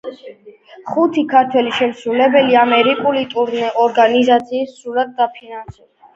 ხუთი ქართველი შემსრულებლის ამერიკული ტურნე ორგანიზაციამ სრულად დააფინანსა.